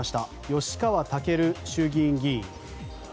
吉川赳衆議院議員。